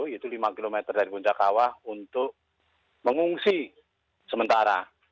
yaitu lima km dari puncak kawah untuk mengungsi sementara